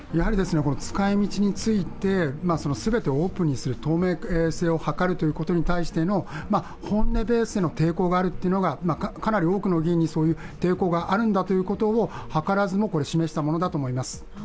使い道について全てをオープンにする透明性を図るということに対しての本音ベースでの抵抗があるというのがかなり多くの議員にそういう抵抗があるんだということをはからずも示したものだと思います。